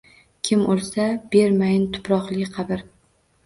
Kim o‘lsa, ber mayin tuproqli qabr